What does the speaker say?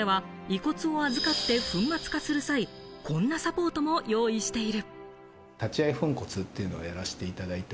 取材した業者では遺骨を扱って粉末化する際、こんなサポートも用意している。